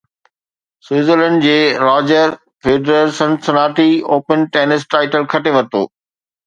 Switzerland جي Roger Federer Cincinnati Open tennis title کٽي ورتو